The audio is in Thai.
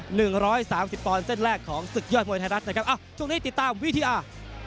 หนึ่งร้อยสามสิบปอนด์เส้นแรกของศึกยอดมวยไทยรัฐนะครับอ้าวช่วงนี้ติดตามวิทยา